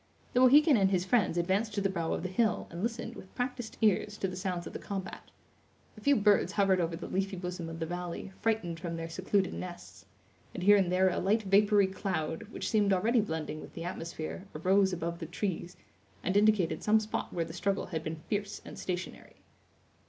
The Mohican and his friends advanced to the brow of the hill, and listened, with practised ears, to the sounds of the combat. A few birds hovered over the leafy bosom of the valley, frightened from their secluded nests; and here and there a light vapory cloud, which seemed already blending with the atmosphere, arose above the trees, and indicated some spot where the struggle had been fierce and stationary.